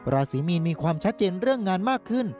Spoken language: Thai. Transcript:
ราศีมีนมีความชัดเจนเรื่องงานมากขึ้น